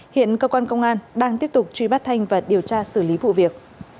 hiện cơ quan công an đang tiếp tục truy bắt thanh và điều tra xử lý vụ việc